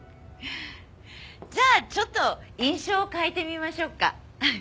じゃあちょっと印象を変えてみましょうか？